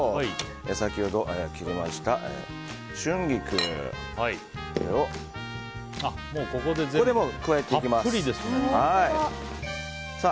先ほど切りました春菊を加えていきます。